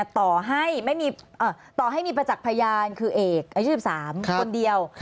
ต่อให้ต่อให้มีประจักษ์พยานคือเอกอายุ๑๓คนเดียว